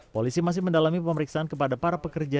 polisi masih mendalami pemeriksaan kepada para pekerja